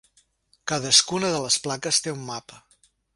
Cadascuna de les plaques té un mapa.